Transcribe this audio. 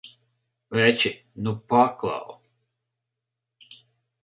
Veči, nu paklau!